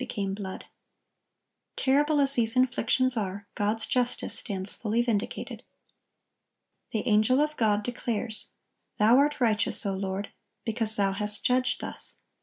became blood." Terrible as these inflictions are, God's justice stands fully vindicated. The angel of God declares: "Thou are righteous, O Lord, ... because Thou hast judged thus.